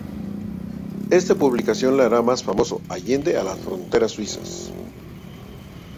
Esta publicación le hará famoso allende las fronteras suizas.